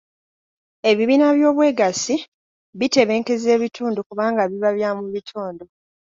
Ebibiina by'obwegassi bitebenkeza ebitundu kubanga biba bya mu bitundu.